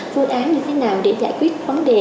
phương án như thế nào để giải quyết vấn đề